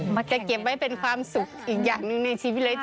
แกเก็บไว้เป็นความสุขอีกอย่างหนึ่งในชีวิตเลย